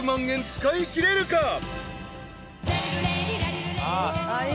円使いきれるか？］